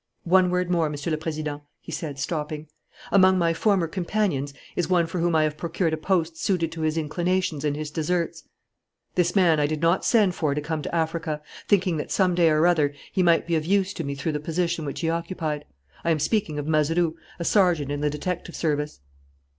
"One word more, Monsieur le Président," he said, stopping. "Among my former companions is one for whom I procured a post suited to his inclinations and his deserts. This man I did not send for to come to Africa, thinking that some day or other he might be of use to me through the position which he occupied. I am speaking of Mazeroux, a sergeant in the detective service."